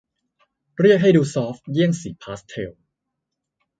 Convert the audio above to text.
เรียกให้ดูซอฟต์เยี่ยงสีพาสเทล